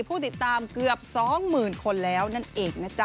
แล้วก็ทำเกือบ๒๐๐๐๐คนแล้วนั่นเองนะจ้ะ